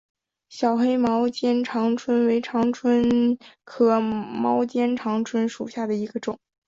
小黑毛肩长蝽为长蝽科毛肩长蝽属下的一个种。